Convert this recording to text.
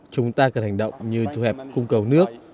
chúng ta cần hành động như thu hẹp cung cầu nước